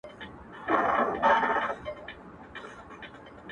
• زمـا مــاسوم زړه؛